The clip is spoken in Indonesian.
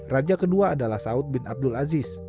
raja kedua adalah saud bin abdul aziz